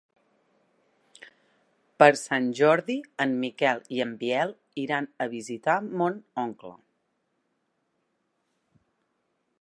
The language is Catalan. Per Sant Jordi en Miquel i en Biel iran a visitar mon oncle.